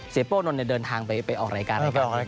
เศรษฐโปรนนต์เดินทางไปออกรายการ